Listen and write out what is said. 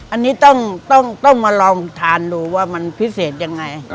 อันนี้ต้องมาลองทานดูว่ามันพิเศษยังไง